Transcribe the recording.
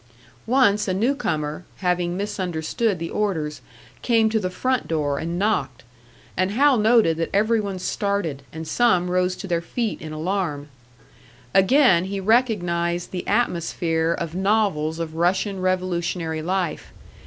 Once a newcomer, having misunderstood the orders, came to the front door and knocked; and Hal noted that every one started, and some rose to their feet in alarm. Again he recognised the atmosphere of novels of Russian revolutionary life.